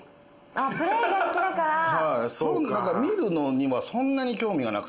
見るのにはそんなに興味がなくて。